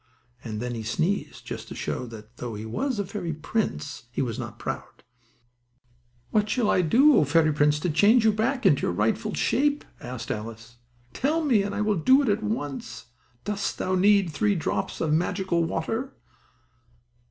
And then he sneezed, just to show that, though he was a fairy prince, he was not proud. "What shall I do, O fairy prince, to change you back into your own rightful shape?" asked Alice. "Tell me, and I will do it at once. Dost thou need three drops of magical water?"